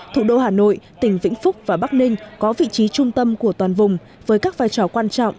thủ đô hà nội tỉnh vĩnh phúc và bắc ninh có vị trí trung tâm của toàn vùng với các vai trò quan trọng